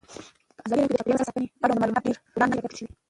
په ازادي راډیو کې د چاپیریال ساتنه اړوند معلومات ډېر وړاندې شوي.